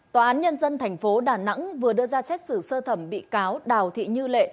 tòa án nhân dân tp đà nẵng vừa đưa ra xét xử sơ thẩm bị cáo đào thị như lệ